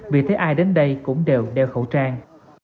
vì thế ai đến đây cũng đều đeo khẩu trang